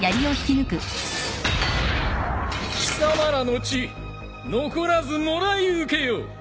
貴様らの血残らずもらい受けよう。